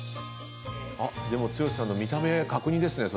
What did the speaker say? でも剛さんの見た目角煮ですねそれ。